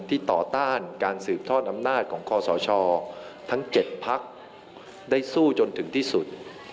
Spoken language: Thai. ต่อต้านการสืบทอดอำนาจของคอสชทั้ง๗พักได้สู้จนถึงที่สุด